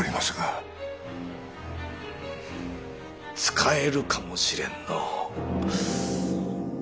使えるかもしれんのう。